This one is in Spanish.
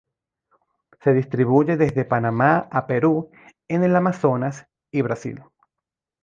Se distribuye desde Panamá a Perú en el Amazonas y Brasil.